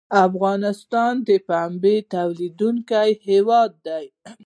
افغانستان د پنبې تولیدونکی هیواد دی